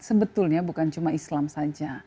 sebetulnya bukan cuma islam saja